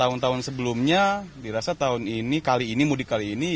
tahun tahun sebelumnya dirasa tahun ini kali ini mudik kali ini